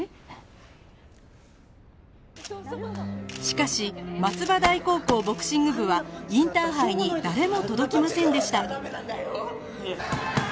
しかし松葉台高校ボクシング部はインターハイに誰も届きませんでした